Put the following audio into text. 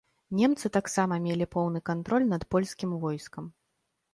Немцы таксама мелі поўны кантроль над польскім войскам.